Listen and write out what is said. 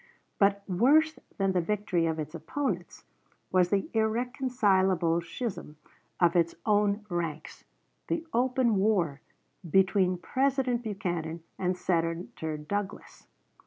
But worse than the victory of its opponents was the irreconcilable schism in its own ranks the open war between President Buchanan and Senator Douglas.